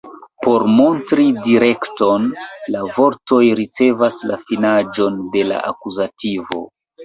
Por montri direkton, la vortoj ricevas la finiĝon de la akuzativo.